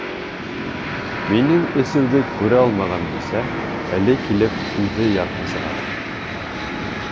Минең эсеүҙе күрә алмаған бисә әле килеп үҙе ярты сығара!